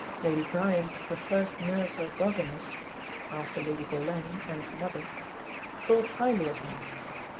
Lady Bryan her first nurse or governess (after Lady Boleyn, Anne's mother) thought highly of her.